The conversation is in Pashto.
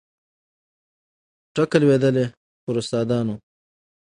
ټکه لوېدلې پر استادانو